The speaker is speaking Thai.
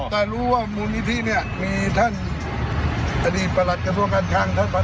อ๋อนะครับแต่รู้ว่ามูลนิธิเนี้ยมีท่านอันนี้ประหลัดกระทรวงการทางท่านพนัก